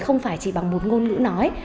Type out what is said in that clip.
không phải chỉ bằng một ngôn ngữ nói